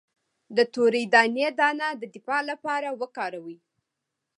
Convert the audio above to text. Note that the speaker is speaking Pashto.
د تورې دانې دانه د دفاع لپاره وکاروئ